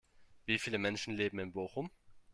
Wie viele Menschen leben in Bochum?